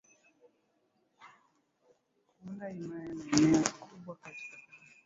kuunda himaya na eneo kubwa Katika karne